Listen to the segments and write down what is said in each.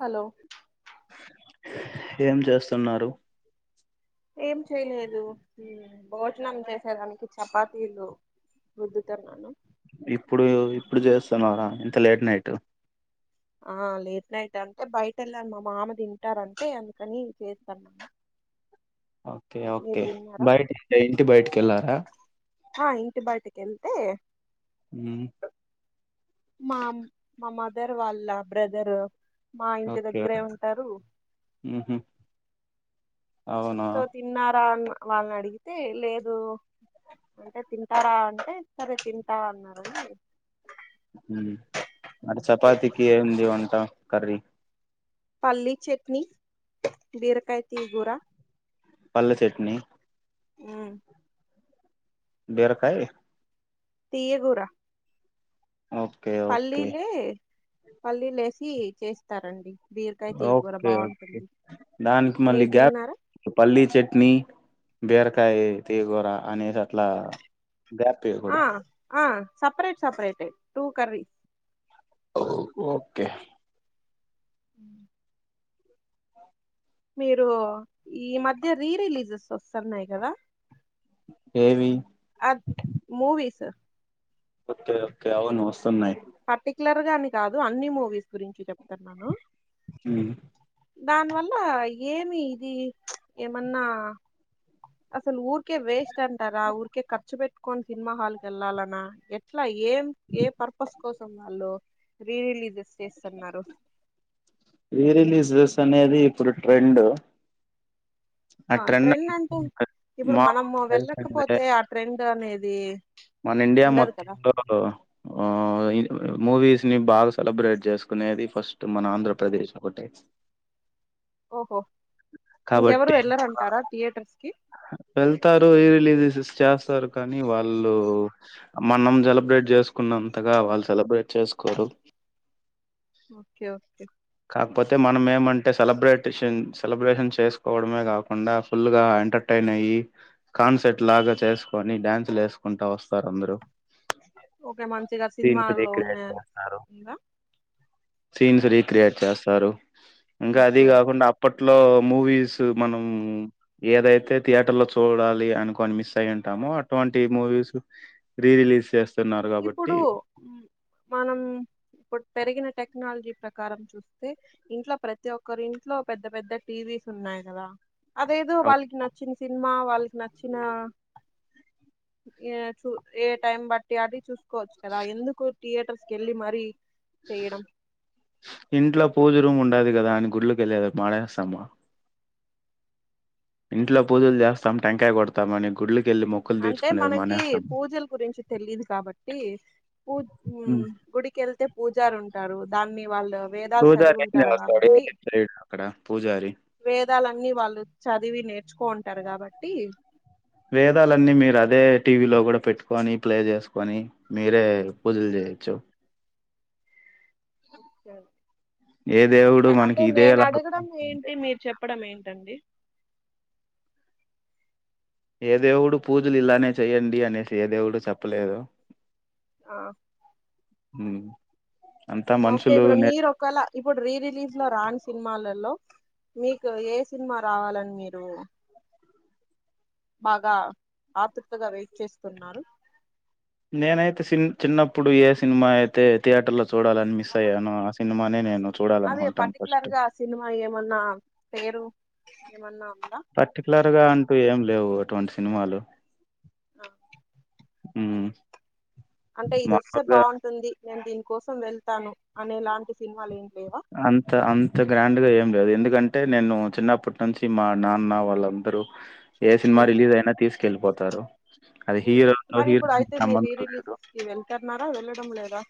Hello ఏం చేస్తున్నారు ఏం చేయలేదు ఉమ్ భోజనం చేసేదానికి చపాతీలు రుద్దుతున్నాను ఇప్పుడు ఇప్పుడు చేస్తున్నారా ఇంత లేట్ నైట్ ఆ లేట్ నైట్ అంటే బయట వెళ్ళను మా మామ తింటారంటే అందుకని చేస్తానము ఓకే ఓకే బయట అంటే ఇంటి బయటికి వెళ్ళారా హా ఇంటి బయటకి వెళ్తే ఉమ్, మా మా మదర్ వాళ్ళ బ్రదరు మా ఇంటి ఓకే దగ్గరే ఉంటారు ఉహు అవునా సో తిన్నారా అని వాళ్ళని అడిగితే లేదు అంటే తింటారా అంటే సరే తింటా అన్నారని ఉమ్ మరి చపాతికి చేస్తున్నాను ఏముంది వంట కర్రీ పల్లీ చట్నీ బీరకాయ తీయ గూర పల్లి చట్నీ ఉమ్ బీరకాయ్ తీయ గూర ఓకే ఓకే పల్లీలే పల్లీలేసి చేస్తారండి బీరకాయ తీయకూర ఓకే ఓకే బాగుంటుంది దానికి మళ్ళీ మీరు గ్యాప్ తిన్నారా పల్లీ చట్నీ బీరకాయ తీయ గూర అనేది అట్లా గ్యాప్ ఆ ఇయ్యకూడదు ఆ సపరేట్ సపరేటె ఏ టూ కర్రీ ఓకే ఉమ్ మీరు ఈ మధ్య రీ రిలీజెస్ వస్తున్నాయి కదా ఏవి అ మూవీస్ ఓకే ఓకే అవును వస్తున్నాయి లర్ గాని కాదు అన్ని మూవీస్ గురించి చెప్తాన్నాను ఉమ్ దానివల్ల ఏమి ఇది ప్చ్ ఏమన్నా అసలు ఊరికే వేస్ట్ అంటారా ఊరికే ఖర్చు పెట్టుకొని సినిమా హాల్ కి వెళ్ళాలన్నా ఎట్లా ఏం ఏ పర్పస్ కోసం వాళ్ళు రీ రిలీజ్ జెస్ చేస్తున్నారు రీ రిలీజెస్ అనేది ఇప్పుడు ట్రెండ్ ఆ ట్రెండ్ అంటే ఇప్పుడు మా మనము తెలిసిందే వెళ్ళకపోతే ఆ ట్రెండ్ అనేది మన ఇండియా ఉండదు కదా మొత్తంలో ఉమ్ ఇది మూవీస్ ని బాగా సెలబ్రేట్ చేసుకునేది ఫస్ట్ మన ఆంధ్రప్రదేశ్ ఒకటే ఓహో ఇంకెవరు కాబట్టి వెళ్ళరు అంటారా థియేటర్స్ కి వెళ్తారు రీ రిలీజెస్ చేస్తారు కానీ వాళ్ ళ్ళు మనం సెలబ్రేట్ చేసుకున్నంతగా వాళ్ళు సెలబ్రేట్ చేసుకోరు ఓకే ఓకే కాకపోతే మనం ఏమంటే సెలబ్రేటేషన్ సెలబ్రేషన్ చేసుకోవడమే కాకుండా ఫుల్ గా ఎంటర్టై నయి కాన్సర్ట్ లాగా చేసుకొని డ్యాన్స్లు వేసుకుంటా వస్తారు అందరు ఓకే మంచిగా సీన్స్ సినిమాలో ఉన్న రిక్రియేట్ చేస్తారు ఇలా సీన్స్ రీక్రియేట్ చేస్తారు ఇంకా అది ఓకే ఓకే కాకుండా అప్పట్లో మూవీస్ మనం ఏదైతే థియేటర్ లో చూడాలి అనుకొని మిస్ అయి ఉంటామో అటువంటి మూవీస్ రీ రిలీజ్ చేస్త ఇప్పుడు మనం ఇప్పుడు పెరిగిన టె క్నాలజీ ప్రకారం చూస్తే ఇంట్లో ప్రతి ఒక్కరు ఇంట్లో పెద్ద పెద్ద టీవీస్ ఉన్నాయి కదా అదేదో వాళ్ళకి నచ్చిన సినిమా వాళ్ళకి నచ్చిన చూ ఏ టైం బట్టి అటి చూసుకోవచ్చు కదా, ఎందుకు థియేటర్స్ కి వెళ్ళి మరి ఇంట్లో పూజ రూమ్ ఉండది కదా అని గుడ్లోకి వెళ్ళలేరు పాడేస్తామా. ఇంట్లో పూజలు చేస్తాం, టెంకాయ కొడతామని గుడ్లకి అంటే మనకి పూజలు గురించి తెలిదు కాబట్టి పూ మ్ గుడికి వెళ్తే పూజారు ఉంటారు దాన్ని వాళ్ళు వేదాలు చదివి ఉంటారు కాబట్టి పూజారిక్కడ [unintelligible] పూజారి వేదాలన్నీ వాళ్ళు చదివి నేర్చుకో ఉంటారు కాబట్టి వేదాలన్నీ మీరు అదే టీవీలో కూడా పెట్టుకొని ప్లే చేసుకొని మీరే పూజలు చేయొచ్చు. ఓకే ఏ దేవుడు మనకి అంటే ఇదే నేను ఎలా అడగడం ఏంటి? మీరు చెప్పడం ఏంటండి. ఏ దేవుడు పూజలు ఇలానే చెయ్యండి అనేసి ఏ దేవుడు చెప్పలేదు. ఆ ఉ [unintelligible] ఓకే, ఇప్పుడు మీరు ఒకవేళ ఇప్పుడు రీ రిలీజ్ లో రాని సినిమాలలో, మీకు ఏ సినిమా రావాలని మీరు బాగా ఆతృతగా వెయిట్ చేస్తున్నారు. నేనైతే చిన్నప్పుడు ఏ సినిమా అయితే థియేటర్లో. చూడాలని మిస్ అయ్యానో, ఆ సినిమానే నేను అదే చూడాలనుకుంటాను పర్టికులర్ ఫస్ట్. గా ఆ సినిమా ఏమన్నా పేరు ఏమన్నా ఉందా పర్టికులర్ గా అంటూ ఏం లేవు అటువంటి సినిమాలు. ఆ [unintelligible] మ్ అంటే ఇదొస్తే బాగుంటుంది నేను దీనికోసం వెళ్తాను అనేలాంటి సినిమాలు ఏంటి? అంత అంత గ్రాండ్ గా ఏమి లేదు ఎందుక ఎందుకంటే, నేను చిన్నప్పటి నుంచి మా నాన్న వాళ్ళందరూ ఏ సినిమా రిలీజ్ అయినా తీసుకు వెళ్ళిపోతారు అది హీరోలో మరి హీరో ఇప్పుడు అయితే మీరు రీ సంబంధం లేదు. రిలీజెస్ కి వెళ్తున్నారా వెళ్ళడం లేదా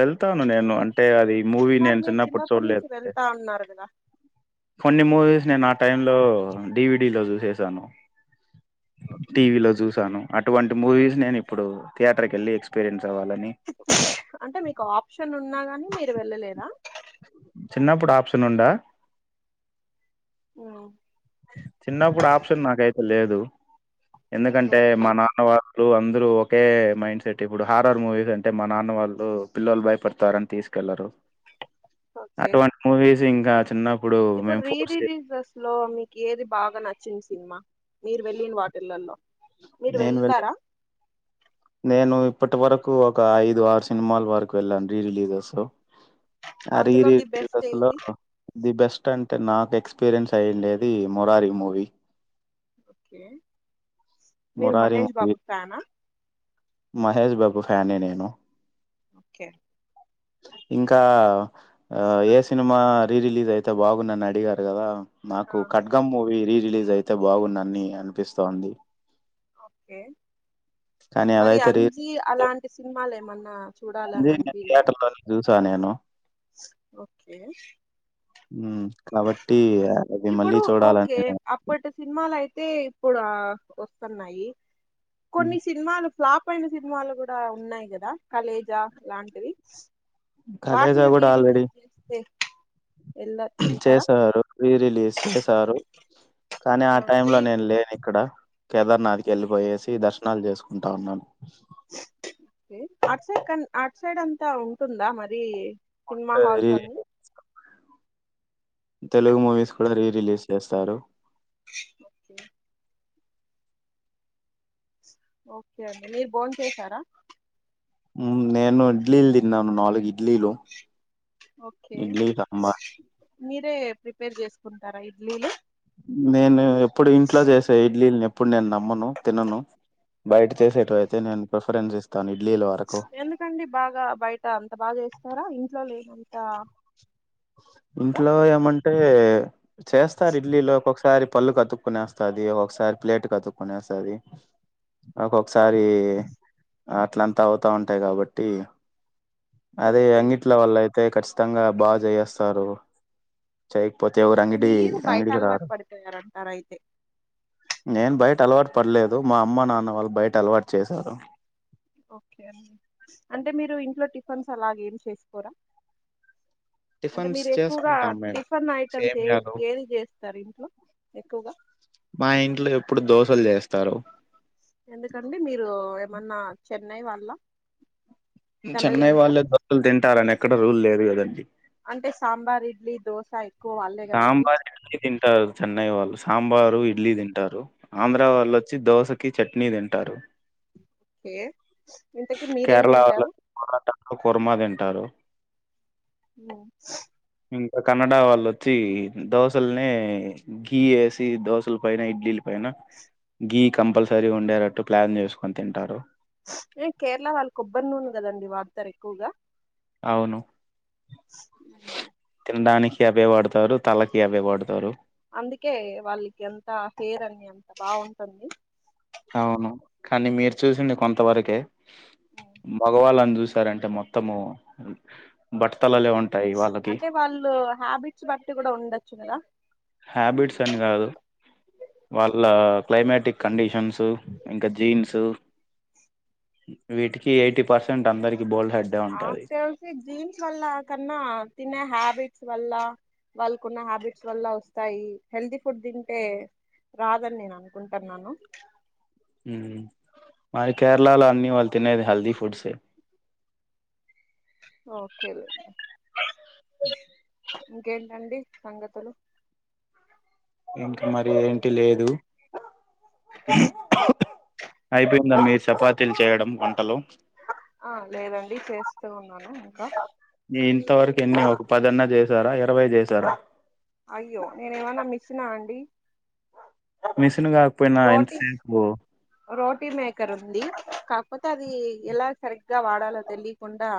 వెళ్తాను. నేను అంటే అది మూవీ మరి నేను మీరు చిన్నప్పుడు చిన్నప్పటి నుంచి చూడలేదంటే. వెళ్తా అన్నారు కదా కొన్ని మూవీస్ నేను ఆ టైమ్ లో డివిడి లో చూసేసాను, ఓకే. టీవలో చూసాను అటువంటి మూవీస్ నేను ఇప్పుడు, థియటర్ కెళ్లి ఎక్పీరియన్స్ అంటే మీకు ఆప్షన్ ఉన్నా గాని మీరు వెళ్ళలేదా? చిన్నప్పుడు ఆప్షన్ ఉండ. మ్. చిన్నప్పుడు ఆప్షన్ నాకైతే లేదు. ఎందుకంటే ఓకే మా నాన్న వారు ఇప్పుడు అందరూ ఒకే మైండ్ సెట్. ఇప్పుడు హారర్ మూవీస్ అంటే మా నాన్న వాళ్ళు పిల్లలు భయపడతారని, తీసుకు లరు ఓకే అటువంటి మూవీస్ ఇంకా చిన్నప్పుడు మే ఇప్పుడు రీ ఫోర్స్ రిలీజెస్ లో మీకు ఏది బాగా నచ్చింది సినిమా. మీరు వెళ్ళిన వాటిలలో. మీరు నేను వెళ్ళి వెళ్తారా? నేను ఇప్పటి వరకు ఒక ఐదు, ఆరు సినిమాల వరకు వెళ్ళాను రీ రిలీజ్ లో అ రీ అందులో ది బెస్ట్ రిలీజ్ లో ఏది ది బెస్ట్ అం అంటే నాకు ఎక్స్పీరియన్స్ అయ్యిండేది మొరారి మూవీ. ఓకే! మీరు మురారి మహేష్ మూవీ బాబు ఫ్యానా. మహేష్ బాబు ఫ్యానే నేను. ఓకే. ఇంకా ఏ సినిమా రీ రిలీజ్ అయితే బాగుందని అడిగారు కదా? నాకు ఖడ్గం మూవీ రీ రిలీజ్ అయితే బాగుండనీ అనిపిస్తోంది ఓకే కానీ మరి అదైతే రీ అంజీ అలాంటి సినిమాలేమన్నా అంజీ నేను థియేటర్ లో చూసా నేను ఒ కే ఉమ్ కాబట్టీ ఇప్పుడు ఓకే అప్పటి సినిమాలయి తే ఇప్పుడా వస్తున్నాయి హ్మ్. కొన్ని సినిమాలు ప్లాఫ్ అయిన సినిమాలు కూడా ఉన్నాయి గదా కలేజా లాంటివి 'కలేజా' వాటిని గూడా రీరిలీజ్ జేస్తే చేసారు రీ రిలీజ్ చేశారు కానీ ఆ టైమ్ లో నేన్ లేనిక్కడ కేదర్నాథ్కి ఎళ్ళిపోయేసి దర్శనాలు చేసుకుంటా ఉన్నాను కే అట్ సైడ్ కన్ అట్ సైడ్ అంతా ఉంటుందా మరీ సినిమా హాల్స్ రీ అన్నీ తెలుగు మూవీస్ కూడా రీ రిలీజ్ చేస్తారు [inaudible] ఓకే అండి బోంచేసారా ఉ నేను ఇడ్లీలు తిన్నాను నాలుగు ఇ ఓకే సాంబార్. మీరే ప్రిపేర్ చేసుకుంటారా ఇడ్లీలు నేను ఎప్పుడు ఇంట్లో చేసే ఇడ్లీల్నెప్పుడు నేన్ న మ్మను తిన్నను బయట చేసేటివయితే నేను ప్రిఫరెన్స్ ఇస్తాని ఎందుకండీ బాగా బయట అంత బాగ చేస్తారా ఇంట్లో లేనంతా ఇంట్లో ఏమంటే చేస్తారిడ్లీ లో ఒక సారి పళ్ళుకతుక్కునేస్తాది ఒకొక్కసారి ప్లేటుకు అతుక్కునేస్తాది ఒక్కొక్కసారీ ఓహో అట్లంతా అవుతావుంటాయి కాబట్టీ అదే ఓకే అంగిట్లో వాల్లయితే కఖచ్చితంగా బాగ చేయిస్తారు చెయ్కపోతే ఎవరు అంటే అంగిడి మీరు బయట అంగడికి అలవాటు రారు పడిపోయారంటారు అయితే నేన్ బయ టలవాటు పడలేదు మా అమ్మ నాన్న వాళ్ళు బయట అలవాటు చేశారు న్స్ అలాగేం చేసుకోరా అంటె టిఫిన్స్ మీరెక్కువగా చేసుకుంటాం మేము టిఫన్ ఐటమ్స్ ఏ సేమియాలు ఏది చేస్తారు ఇంట్లో ఎక్కువగా మా ఇంట్లో ఎప్పుడు దోశల్జేస్తారు ఎందుకండి మీరు ఏమన్నా చెన్నై వాళ్ల్ల మ్మ్ చెన్నై వాళ్ళే దోశలు తింటారని ఎక్కడ రూల్ లేదు గదండి అంటే సాంబార్ ఇడ్లీ దోశ ఎక్కువ వాళ్ళే కదండి సాంబార్ ఇడ్లీ తింటారు చెన్నై వాళ్ళు సాంబారు ఇడ్లీ తి టారు ఆంధ్రా వాళ్ళోచ్చి దోశకి చక్నీ తింటారు ఓకే ఇంతకీ కేరళ వాళ్ళు మీరేందింటారు వచ్చి పొరాటాలు కుర్మా తింటారు ఊ ఇంక కనడా వాళ్ళొచ్చీ దోశల్నే గీ ఏసి దోశల పైన ఇడ్లీల పై న గీ కంపల్సరీ ఉండేటట్టు ప్లాన్జెసుకొని తింటారు స్ ఏ కేరళ వాళ్ళ కొబ్బరి నూనె కదండి వాడతరెక్కువగా అవును ఉమ్. తిండానికి కి అవే వాడుతారు తలకి అవే వాడుతారు అందుకే వాళ్ళకి అంత హేర్ అన్నీ అంత బావుంటుంది అవును కనీ మీరు చూసింది కొంతవరకే మగవాళ్ళన్ జూ సారంటె మొత్తము బట్టతలలే ఉంటాయి వాళ్ళకి అంటె వాళ్లూ హ్యాబిట్స్ బట్టి గుడ ఉండచ్చు గదా హ్యాబిట్స్ అని గాదు వాళ్ళా క్లైమాేటిక్ కండిషన్స్ ఇంకా జీన్స్ వీటికి ఎయిటీ పర్సెంట్ అందరికి బోల్డ్ హెడ్డే ఆక్ ఉంటది. తెల్ సీ జీన్స్ వల్ల కన్నా తినే హ్యాబిట్స్ వల్లా వాళ్ళకు ఉన్న హ్యాబిట్స్ వల్ల వస్తాయి హెల్తీ ఫుడ్ తింటే రాదని నేను అనుకుంటూఉన్నాను ఉహు మరి కేరళలో అన్ని వాళ్ తినేది హెల్దీ ఫుడ్స్ ఏ ఓకే అ ఇంకేంట అండి సంగతులు ఇంకా మరి ఏంటి లేదు అయిపోయిందా మీర్ చపాతీల్ చేయడం వంటలు ఆ లేదండి చేస్తూ ఉన్నాను ఇంకా ఈ ఇంతవరకు ఎన్ని ఒక పద అన్న చేసారా ఇరవై చేసారా అయ్యో నేను ఏమన్నా మిస్సినా అండి మిషన్ కాక్ పోయినా రోటీ ఎంతసేపు రోటీ మేకర్ ఉంది కాకపోతే అది ఎలా సరిగ్గా వాడాలో తెలీకుండా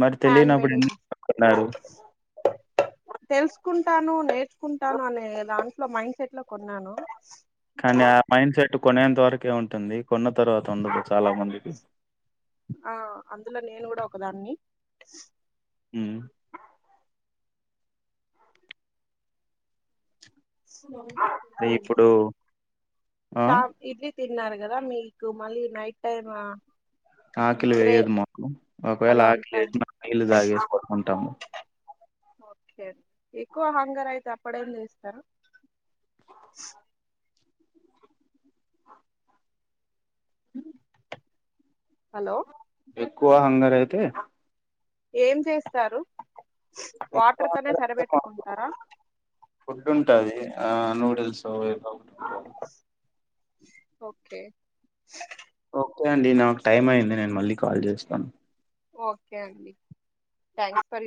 మరి హ్యాండ్ తెలినప్పుడు మేడ్ ఎందుకు కోనుకున్నారు తెలుసుకుంటాను నేర్చుకుంటాను అనే దాంట్లో మైండ్ సెట్ లో కొన్నాను కానీ ఆ మైండ్ సెట్ కొనేంత వరకే ఉంటుంది కొన్న తర్వాత ఉండదు చాలా మందికి ఆ అందులో నేను కూడా ఒకదాన్ని మ్ ఇకేంటి ఇప్పుడు ఆ సా విజిత్ తిన్నారు కదా మీకు మళ్ళీ నైట్ టైమా ఆకలి వేయదు మాకు ఒకవేళ అలా ఆకలి అంతా వేసిన తాగేసి పడుకుంటాము ఓకే అండి ఎక్కువ హంగర్ అయితే అప్పుడే మ్ చేస్తారు అ హలో ఎక్కువా హంగర్ అయితే ఏమ్ చేస్తారు ఎక్కువ వాటర్ తోనే హంగర్ సరి అయితే మాకు బేట్టుకుంటారా ఫుడ్ ఉంటది ఆ నూడిల్స్ ఏదో ఒకటి ఉంటుంది. ఓకే ఓకే అండి నాకు టైమ్ అయింది నేను మళ్ళీ కాల్ చేస్తాను ఓకే అండి థ్యాంక్స్ ఫర్ యూ